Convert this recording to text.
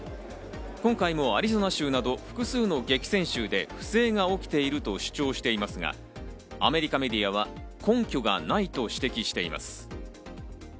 今回もアリゾナ州など複数の激戦州で不正が起きていると主張していますが、アメリカメディアは根拠がないと指摘しています。